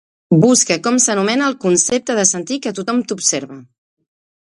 Busca com s'anomena el concepte de sentir que tothom t'observa.